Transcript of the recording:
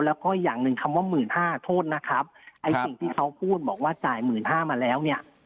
แล้วก็อย่างหนึ่งคำว่าหมื่นห้าโทษนะครับไอ้สิ่งที่เขาพูดบอกว่าจ่ายหมื่นห้ามาแล้วเนี่ย